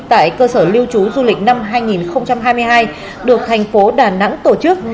tại cơ sở lưu trú du lịch năm hai nghìn hai mươi hai được thành phố đà nẵng tổ chức